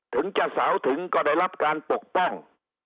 ถึงจะสาวถึงก็ได้รับการปกป้อง